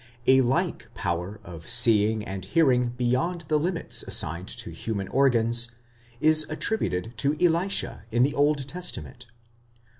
A like power of seeing and hearing beyond the limits assigned to human organs, is attributed to Elisha in the Old Testament.